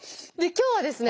今日はですね